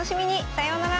さようなら。